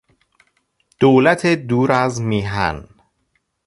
دولت دور از میهن